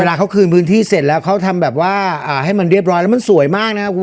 เวลาเขาคืนพื้นที่เสร็จแล้วเขาทำแบบว่าให้มันเรียบร้อยแล้วมันสวยมากนะครับคุณ